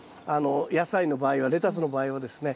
野菜の場合はレタスの場合はですね